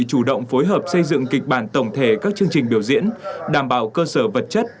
chủ động phối hợp xây dựng kịch bản tổng thể các chương trình biểu diễn đảm bảo cơ sở vật chất